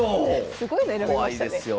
すごいの選びましたね。